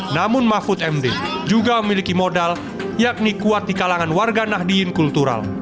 namun mahfud md juga memiliki modal yakni kuat di kalangan warga nahdien kultural